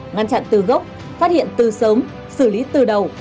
ngăn chặn từ gốc phát hiện từ sớm xử lý từ đầu